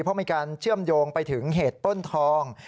เพราะมีการเชื่อมโยงไปถึงเหตุป้นทอง